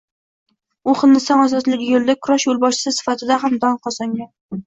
U Hindiston ozodligi yoʻlida kurash yoʻlboshchisi sifatida ham dong qozongan